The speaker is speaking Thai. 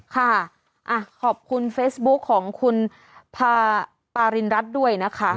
ค่ะขอบคุณเฟซบุ๊คของคุณพาปารินรัฐด้วยนะคะ